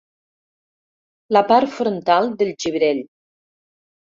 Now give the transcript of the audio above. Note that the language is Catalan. La part frontal del gibrell.